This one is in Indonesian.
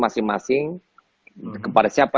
masing masing kepada siapa